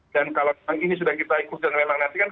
dan kalau ini sudah kita ikut dan memang nantikan